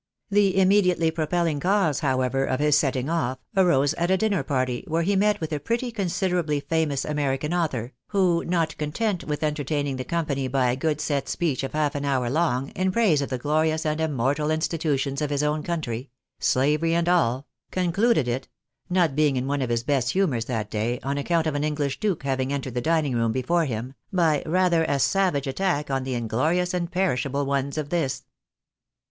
The immediately propelling cause, however, of his setting off, arose at a dinner party, where he met with a pretty considerably famous American author, who not content with entertaining the company by a good set speech of half an hour long, in praise of the glorious and immortal institutions of his own country — slavery and all — concluded it (not being in one of his best humours that day, on account of an English duke having entered the dining room before Mm) by rather a savage attack on the inglorious and perishable ones of this.